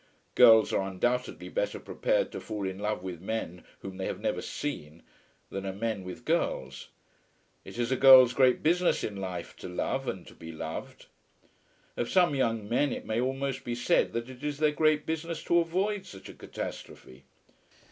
Girls are undoubtedly better prepared to fall in love with men whom they have never seen, than are men with girls. It is a girl's great business in life to love and to be loved. Of some young men it may almost be said that it is their great business to avoid such a catastrophe.